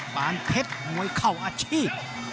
ปานเพชรมวยเข้าอาชีพ